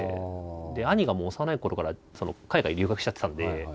兄がもう幼いころから海外へ留学しちゃってたんで。